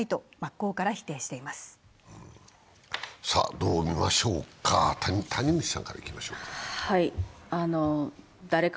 どう見ましょうか。